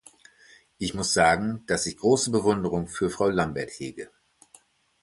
Ich muss sagen, dass ich große Bewunderung für Frau Lambert hege.